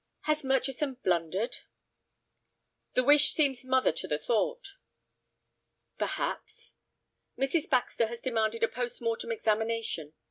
Has Murchison blundered?" "The wish seems mother to the thought." "Perhaps." "Mrs. Baxter has demanded a post mortem examination.